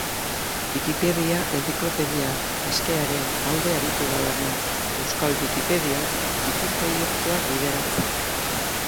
Wikipedia, enziklopedia askearen alde aritu da lanean Euskal Wikipedian wikiproiktuak bideratzen.